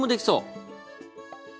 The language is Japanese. そう。